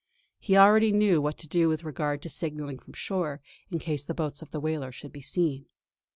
He already knew what to do with regard to signalling from shore, in case the boats of the whaler should be seen.